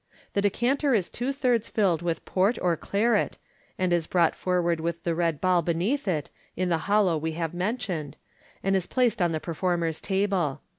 The decanter is two thirds filled with port or claret, and is brought forward with the red ball beneath it, in the hollow we have mentioned, and is placed on the performer's table.